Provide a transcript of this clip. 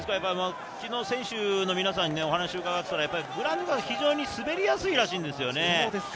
選手の皆さんにお話を聞いたらグラウンドが非常に滑りやすいらしいんですよね。